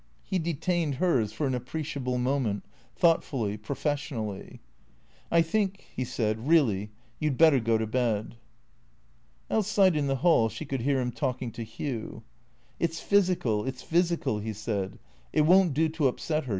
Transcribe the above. He detained hers for an appreciable moment, thoughtfully, professionally. " I think," he said, " really, you 'd better go to bed." Outside in the hall she could hear him talking to Hugh. " It 's physical, it 's physical," he said. " It won't do to up set her.